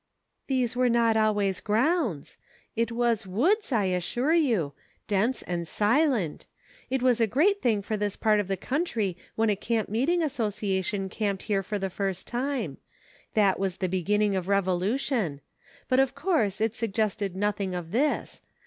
"These were not always 'grounds.' It was woods, I assure you ; dense and silent ; it was a great thing for this part of the country when a camp meeting association camped here for the first time ; that was the beginning of revolution ; 246 EVOLUTION. but of course it suggested nothing of this.